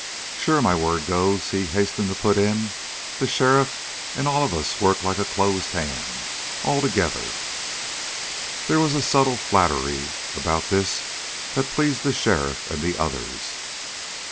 "Sure, my word goes," he hastened to put in. "The sheriff and all of us work like a closed hand all together!" There was a subtle flattery about this that pleased the sheriff and the others.